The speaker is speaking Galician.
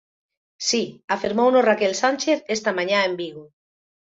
Si, afirmouno Raquel Sánchez esta mañá en Vigo.